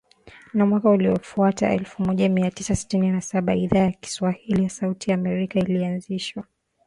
Na mwaka uliofuata elfu mmoja mia tisa sitini na saba Idhaa ya Kiswahili ya Sauti ya Amerika ilianzishwa